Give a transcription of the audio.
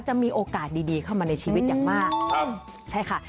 จะมีโอกาสดีเข้ามาในชีวิตอย่างมากครับใช่ค่ะ